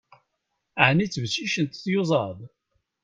Ɛni ttbeccicent tyuzaḍ?